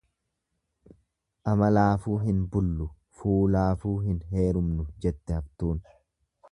Amalaafuu hin bullu fuulaafuu hin heerumnu jette haftuun.